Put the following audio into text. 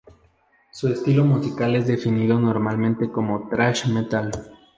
Su estilo musical es definido normalmente como "thrash metal".